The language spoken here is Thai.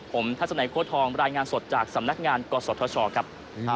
ผมทัศนัยโค้ทองรายงานสดจากสำนักงานกศธชครับ